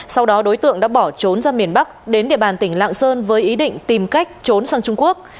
sau đó đối tượng đã bỏ trốn ra miền bắc đến địa bàn tỉnh lạng sơn với ý định tìm cách trốn sang trung quốc